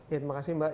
terima kasih mbak